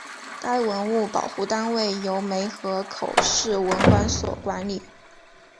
该文物保护单位由梅河口市文管所管理。